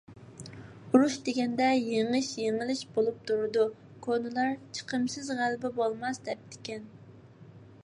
ئۇرۇش دېگەندە يېڭىش - يېڭىلىش بولۇپ تۇرىدۇ، كونىلار «چىقىمسىز غەلىبە بولماس» دەپتىكەن.